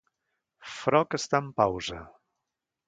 Frog" està en pausa.